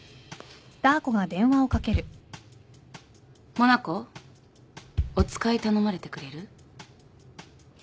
モナコお使い頼まれてくれる？